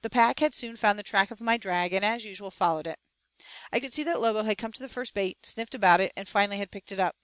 The pack had soon found the track of my drag, and as usual followed it. I could see that Lobo had come to the first bait, sniffed about it, and finally had picked it up.